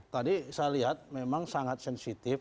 tadi saya lihat memang sangat sensitif